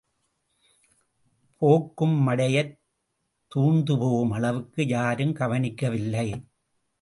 போக்கும் மடையைத் தூர்ந்துபோகும் அளவுக்கு யாரும் கவனிக்கவில்லை.